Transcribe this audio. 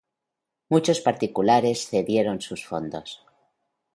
Muchos particulares cedieron sus fondos.